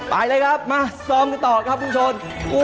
ไปเลยครับมาซ้อมกันต่อครับคุณผู้ชม